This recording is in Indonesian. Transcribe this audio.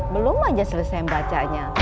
belum aja selesai membacanya